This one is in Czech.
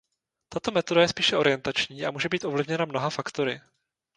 Tato metoda je spíše orientační a může být ovlivněna mnoha faktory.